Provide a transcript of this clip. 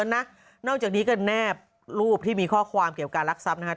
นอกจากนี้ก็แนบรูปที่มีข้อความเกี่ยวการรักทรัพย์นะครับ